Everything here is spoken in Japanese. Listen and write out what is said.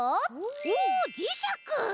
おじしゃく！